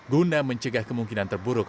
guna mencegah kemungkinan terburuk